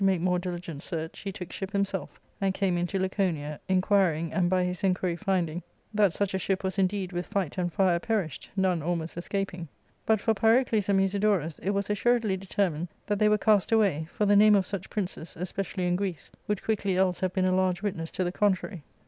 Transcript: Whereupon, to make more diligent search, he took ship himself, and came into Laco^iia, inquiring, and by his inquiry finding that such a ship was indeed with fight and fire perished, none almost escaping. But for Pyrocles and Musidorus, it was assuredly determined that they were cast away, for the name of such princes, especially in Greece, would quickly else have been a large witness to the contrary.